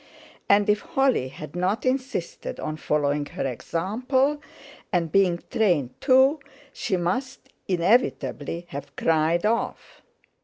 And if Holly had not insisted on following her example, and being trained too, she must inevitably have "cried off."